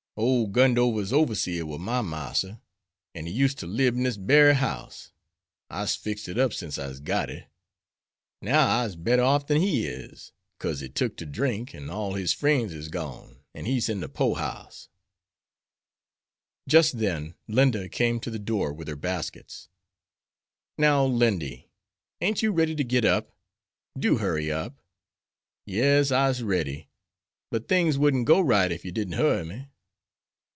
Ole Gundover's overseer war my marster, an' he used ter lib in dis bery house. I'se fixed it up sence I'se got it. Now I'se better off dan he is, 'cause he tuck to drink, an' all his frens is gone, an' he's in de pore house." Just then Linda came to the door with her baskets. "Now, Lindy, ain't you ready yet? Do hurry up." "Yes, I'se ready, but things wouldn't go right ef you didn't hurry me."